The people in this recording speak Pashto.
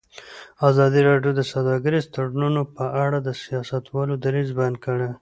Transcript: ازادي راډیو د سوداګریز تړونونه په اړه د سیاستوالو دریځ بیان کړی.